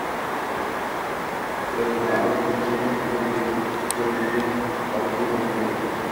Bir kuni alohida kelib qo‘l berib, qo‘lingdi olib ketaman, dedim